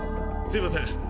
すいません